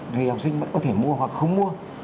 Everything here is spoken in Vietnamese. thì học sinh vẫn có thể mua hoặc không mua